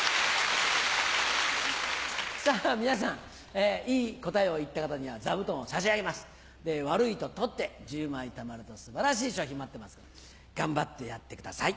さぁ皆さんいい答えを言った方には座布団を差し上げますで悪いと取って１０枚たまると素晴らしい賞品待ってますから頑張ってやってください。